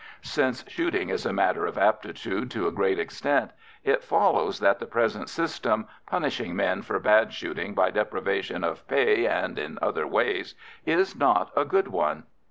Since shooting is a matter of aptitude to a great extent, it follows that the present system, punishing men for bad shooting by deprivation of pay and in other ways, is not a good one.